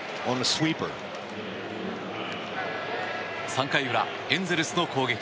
３回裏、エンゼルスの攻撃。